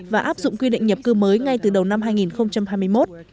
và áp dụng quy định nhập cư mới ngay từ đầu năm hai nghìn hai mươi một